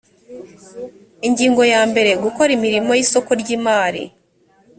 ingingo ya mbere gukora imirimo y isoko ry imari